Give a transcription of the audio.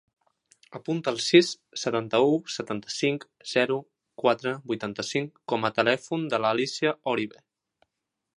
Apunta el sis, setanta-u, setanta-cinc, zero, quatre, vuitanta-cinc com a telèfon de l'Alícia Orive.